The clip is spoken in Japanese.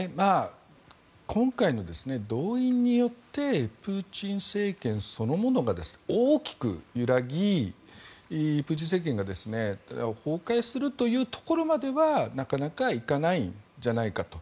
今回の動員によってプーチン政権そのものが大きく揺らぎプーチン政権が崩壊するまではなかなかいかないんじゃないかと。